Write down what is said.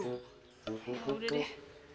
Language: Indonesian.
ya udah deh